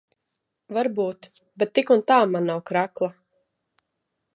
Varbūt. Bet tik un tā man nav krekla.